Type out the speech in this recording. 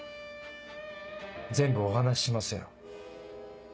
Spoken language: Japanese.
全部お話ししますよ。